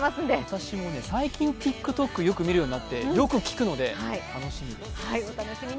私も最近、ＴｉｋＴｏｋ、見るようになってよく聴くので、楽しみです。